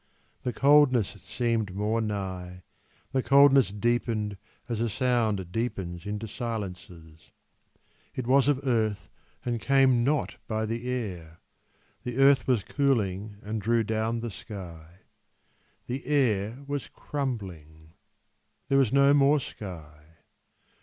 The coldness seemed more nigh, the coldness deepened As a sound deepens into silences; It was of earth and came not by the air; The earth was cooling and drew down the sky. The air was crumbling. There was no more sky.